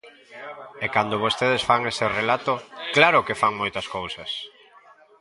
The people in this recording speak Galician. E cando vostedes fan ese relato, ¡claro que fan moitas cousas!